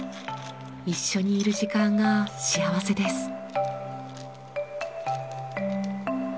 一緒にいる時間が幸せです。